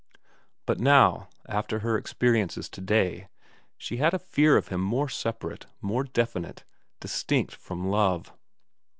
But now, after her experi ences to day, she had a fear of him more separate, more definite, distinct from love.